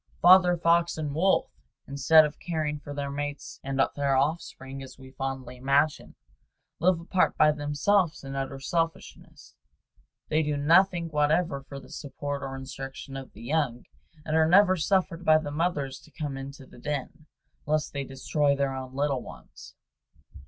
Father fox and wolf, instead of caring for their mates and their offspring, as we fondly imagine, live apart by themselves in utter selfishness. They do nothing whatever for the support or instruction of the young, and are never suffered by the mothers to come into the den, lest they destroy their own little ones.